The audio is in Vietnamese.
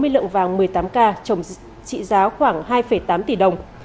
hai mươi lượng vàng một mươi tám k trồng trị giá khoảng hai tám tỷ đồng